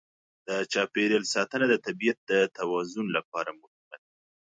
د چاپېریال ساتنه د طبیعت د توازن لپاره مهمه ده.